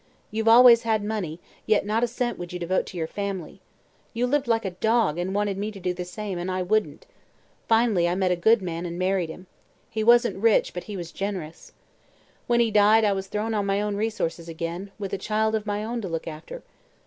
You've always had money, yet not a cent would you devote to your family. You lived like a dog and wanted me to do the same, and I wouldn't. Finally I met a good man and married him. He wasn't rich but he was generous. When he died I was thrown on my own resources again, with a child of my own to look after.